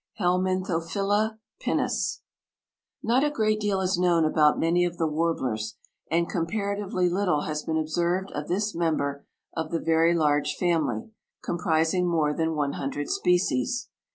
(Helminthophila pinus.) Not a great deal is known about many of the warblers, and comparatively little has been observed of this member of the very large family, comprising more than one hundred species.